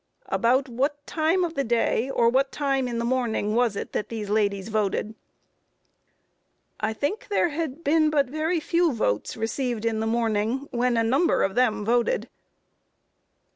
Q. About what time in the day, or what time in the morning was it that these ladies voted? A. I think there had been but a very few votes received in the morning when a number of them voted.